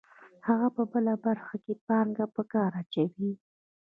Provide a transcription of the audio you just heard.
هغه په بله برخه کې پانګه په کار اچوي